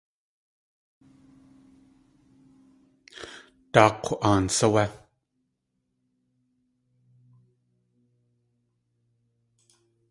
Daak̲w aan sáwé?